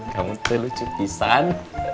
kamu teh lucu pisan